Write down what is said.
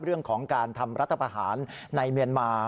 เรื่องของการทำรัฐประหารในเมียนมา